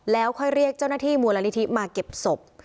แล้วค่อยเรียกเจ้าหน้าที่มูลนิธิมาเก็บศพ